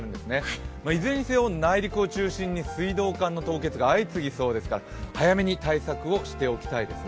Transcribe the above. いずれにせよ内陸を中心に水道管の凍結が相次ぎそうですから早めに対策をしておきたいですね。